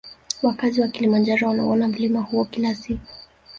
Wakazi wa kilimanjaro wanauona mlima huo kila siku